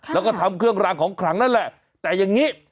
แล้วก็ทำเครื่องรางของขลังนั่นแหละแต่อย่างนี้